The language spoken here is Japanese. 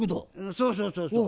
そうそうそうそう。